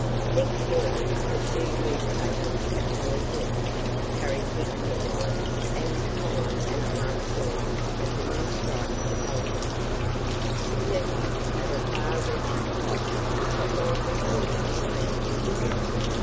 Next morning the two newspapers of Hollyhill carried big headlines and column and a half stories of the new strike development, suggestive of a far reaching plot that might result in tragedy.